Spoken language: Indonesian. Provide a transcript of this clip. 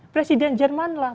presiden jerman lah